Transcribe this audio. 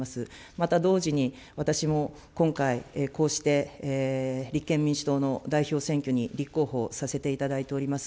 また同時に、私も今回、こうして立憲民主党の代表選挙に立候補させていただいております。